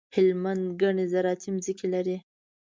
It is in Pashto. هلمند ګڼي زراعتي ځمکي لري.